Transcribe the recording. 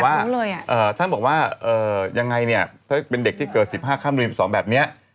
อ่าท่านบอกว่ายังไงเนี่ยถ้าเป็นเด็กที่เกิดสิบห้าพันรีสองแบบเนี่ย